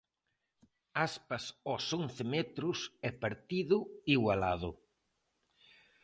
Aspas aos once metros e partido igualado.